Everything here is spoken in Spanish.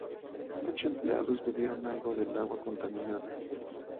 Ocho empleados bebieron algo del agua contaminada.